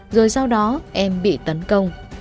rồi sau đó em bị tấn công